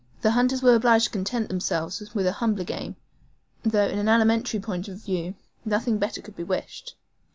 The hunters were obliged to content themselves with humbler game, though in an alimentary point of view nothing better could be wished.